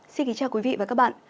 xin kính chào quý vị và các bạn